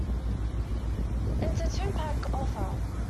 It's a two-pack offer.